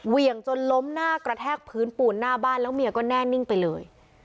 เหวี่ยงจนล้มหน้ากระแทกพื้นปูนหน้าบ้านแล้วเมียก็แน่นิ่งไปเลย